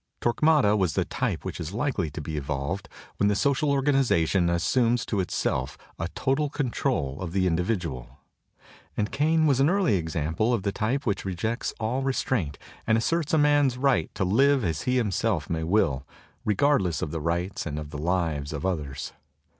Torque mada was the type which is likely to be evolved when the social organization assumes to itself a total control of the individual; and Cain was an early example of the type which rejects all restraint and asserts a man's right to live as he himself may will, regardless of the rights and of the lives of others.